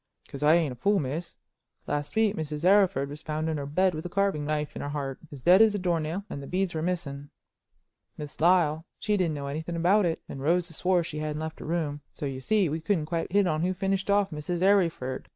"'Cause I ain't a fool, miss. Last week Mrs. Arryford was found in her bed with a carving knife in her heart, as dead as a door nail, and the beads were missing. Miss Lyle, she didn't know anything about it, and Rosa swore she hadn't left her room, so, you see, we couldn't quite hit on who finished off Mrs. Arryford.